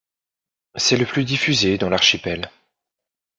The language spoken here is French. C'est le plus diffusé dans l'archipel.